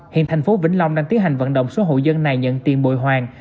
hiện thành phố vĩnh long đang tiến hành vận động số hộ dân này nhận tiền bội hoàng